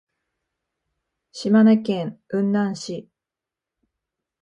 島根県雲南市